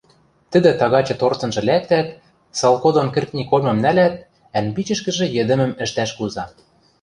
Тӹдӹ тагачы торцынжы лӓктӓт, салко дон кӹртни кольмым нӓлят, ӓнпичӹшкӹжӹ йӹдӹмӹм ӹштӓш куза.